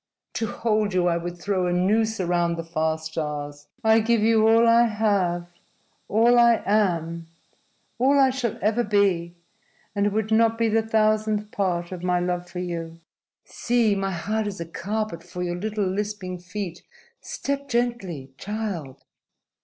To hold you I would throw a noose around the far stars. I give you all I have, all I am, all I shall ever be, and it would not be the thousandth part of my love for you. See! My heart is a carpet for your little lisping feet. Step gently, child!"